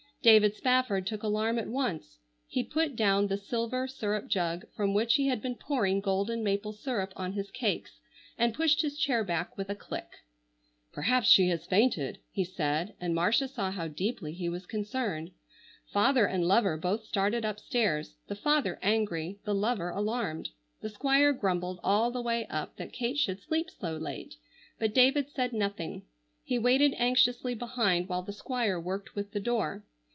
David Spafford took alarm at once. He put down the silver syrup jug from which he had been pouring golden maple syrup on his cakes, and pushed his chair back with a click. "Perhaps she has fainted!" he said, and Marcia saw how deeply he was concerned. Father and lover both started up stairs, the father angry, the lover alarmed. The Squire grumbled all the way up that Kate should sleep so late, but David said nothing. He waited anxiously behind while the Squire worked with the door.